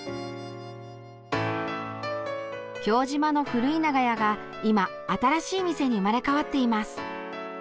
京島の古い長屋が今、新しい店に生まれ変わっています。